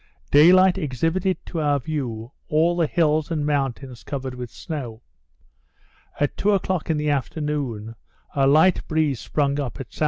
Daylight exhibited to our view all the hills and mountains covered with snow. At two o'clock in the afternoon, a light breeze sprung up at S.S.